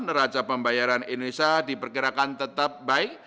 neraca pembayaran indonesia diperkirakan tetap baik